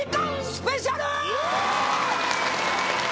スペシャル